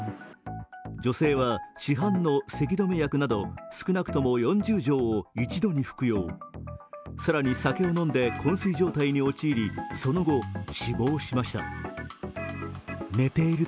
女性は市販のせき止め薬など少なくとも４０錠を１度に服用更に酒を飲んでこん睡状態に陥り、その後、死亡しました。